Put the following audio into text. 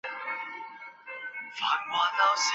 蒙特福尔河畔伊勒维尔。